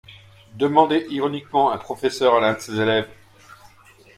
demandait ironiquement un professeur à l’un de ses élèves.